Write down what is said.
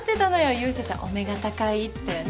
勇者ちゃんお目が高いってね